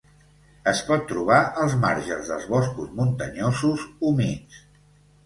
Es pot trobar als marges dels boscos muntanyosos humits.